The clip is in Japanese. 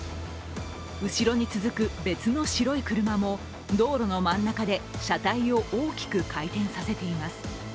後ろに続く別の白い車も、道路の真ん中で車体を大きく回転させています。